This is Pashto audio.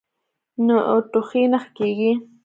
نو ټوخی نۀ ښۀ کيږي -